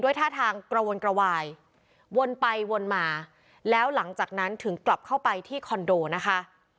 ท่าทางกระวนกระวายวนไปวนมาแล้วหลังจากนั้นถึงกลับเข้าไปที่คอนโดนะคะ